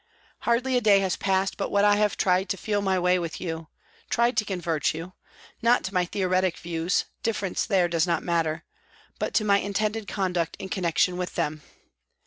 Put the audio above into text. Hardly a day has passed but what I have tried to feel my way with you, tried to convert you not to my theoretic views, difference there does not matter, but to my intended conduct in connection with them.